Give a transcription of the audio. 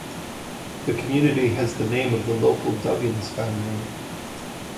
The community has the name of the local Duggins family.